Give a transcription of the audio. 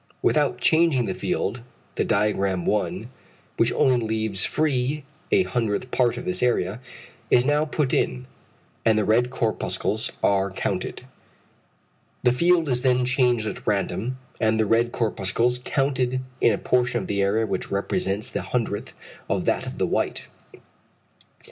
Without changing the field, the diaphragm 1, which only leaves free a hundredth part of this area, is now put in, and the red corpuscles are counted. The field is then changed at random, and the red corpuscles counted in a portion of the area which represents the hundredth of that of the white.